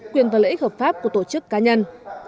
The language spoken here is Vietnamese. quyền và lợi ích hợp pháp của tổ chức cá nhân